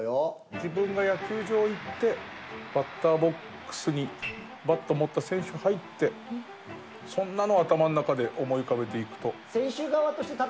自分が野球場行ってバッターボックスにバット持った選手入ってそんなのを頭の中で思い浮かべていくと。